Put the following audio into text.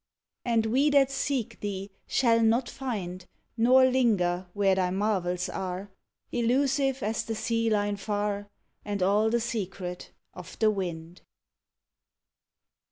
And we that seek thee shall not find, Nor linger where thy marvels are, Elusive as the sea line far, And all the secret of the wind.